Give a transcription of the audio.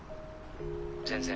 全然。